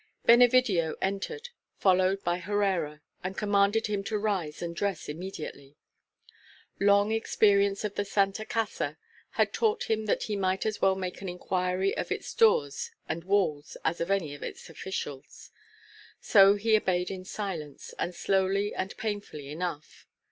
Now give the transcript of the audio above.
Benevidio entered, followed by Herrera, and commanded him to rise and dress immediately. Long experience of the Santa Casa had taught him that he might as well make an inquiry of its doors and walls as of any of its officials. So he obeyed in silence, and slowly and painfully enough.